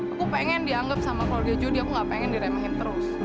aku pengen dianggap sama keluarga jody aku gak pengen diremehin terus